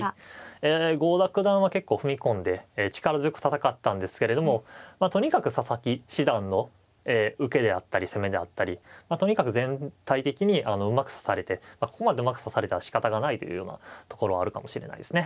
え郷田九段は結構踏み込んで力強く戦ったんですけれどもとにかく佐々木七段の受けであったり攻めであったりとにかく全体的にうまく指されてここまでうまく指されたらしかたがないというようなところはあるかもしれないですね。